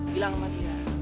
bilang sama dia